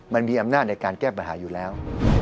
มันมีอำนาจในการแก้ปัญหาอยู่แล้ว